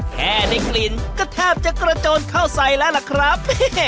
แค่ได้กลิ่นก็แทบจะกระโจนเข้าใส่แล้วล่ะครับ